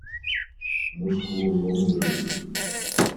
Мускул узлом вяжи.